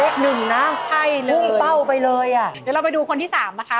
เดี๋ยวเราไปดูคนที่๓นะคะ